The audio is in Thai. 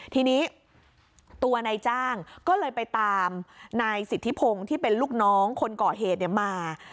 ทีนี้ตัวนายจ้างก็เลยไปตามนายสิทธิพงศ์ที่เป็นลูกน้องคนก่อเหตุมา